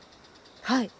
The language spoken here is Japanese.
はい！